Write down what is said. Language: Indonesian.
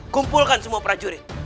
kumpulkan semua prajurit